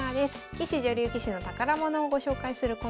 棋士・女流棋士の宝物をご紹介するこのコーナー。